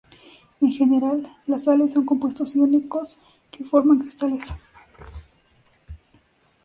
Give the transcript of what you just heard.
En general, las sales son compuestos iónicos que forman cristales.